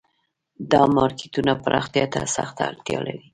دا مارکیټونه پراختیا ته سخته اړتیا لري